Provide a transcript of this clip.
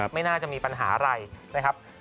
ไม่น่าจะมีปัญหาอะไรนะครับ